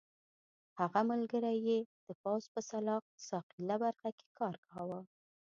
هغه ملګری یې د پوځ په سلاح ساقېله برخه کې کار کاوه.